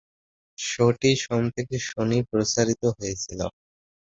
শোটি সোম থেকে শনি প্রচারিত হয়েছিলো।